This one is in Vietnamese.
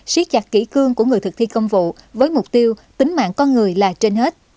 xích chặt kỹ cương của người thực thi công vụ với mục tiêu tính mạng con người là trên hết